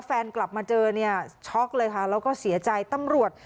กลับมาเจอเนี่ยช็อกเลยค่ะแล้วก็เสียใจตำรวจ